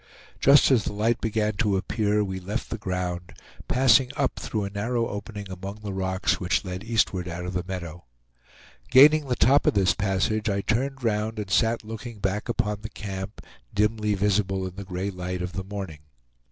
Just as the light began to appear we left the ground, passing up through a narrow opening among the rocks which led eastward out of the meadow. Gaining the top of this passage, I turned round and sat looking back upon the camp, dimly visible in the gray light of the morning.